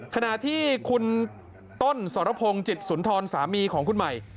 ขณะที่คุณต้นสรพงศ์จิตสุนทรสามีของคุณใหม่